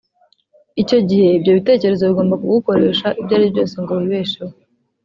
icyo gihe ibyo bitekerezo bigomba kugukoresha ibyo ari byo byose ngo wibesheho